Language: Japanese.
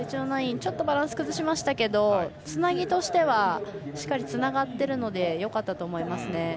９００、バランス崩しましたけどつなぎとしてはしっかりつながっているのでよかったと思いますね。